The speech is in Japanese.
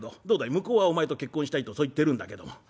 向こうはお前と結婚したいとそう言ってるんだけども」。